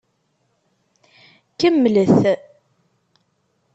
Kemmlet!